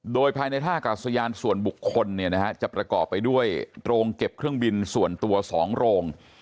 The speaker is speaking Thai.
โดยภายในท่ากาศยานส่วนบุคคลจะประกอบไปด้วยโรงเก็บเครื่องบินส่วนตัว๒โรง